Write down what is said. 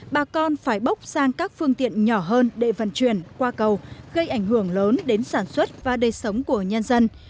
bà con phải bốc sang các phương tiện nhỏ hơn để vận chuyển qua cầu gây ảnh hưởng lớn đến sản xuất và đời sống của nhân dân